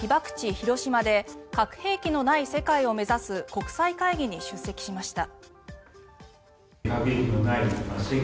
・広島で核兵器のない世界を目指す国際会議に出席しました。